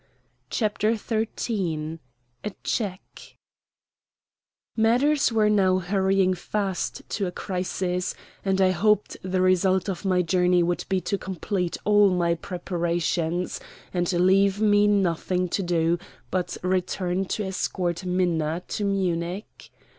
CHAPTER XIII A CHECK Matters were now hurrying fast to a crisis; and I hoped the result of my journey would be to complete all my preparations, and leave me nothing to do but return to escort Minna to Munich.